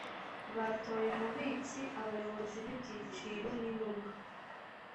batoye umubitsi abayobozi b ibyiciro n intumwa